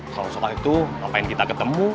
soal soal itu ngapain kita ketemu